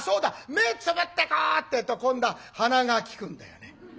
目つぶってこう」ってえと今度は鼻が利くんだよね。